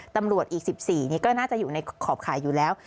ตำรวจอีก๑๔นี่ก็น่าจะอยู่ในขอบข่ายอยู่แล้ว